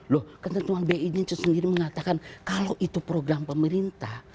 loh ketentuan bi ini sendiri mengatakan kalau itu program pemerintah